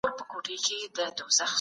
نيم ساعت تر يوه ساعت لږ کیږي.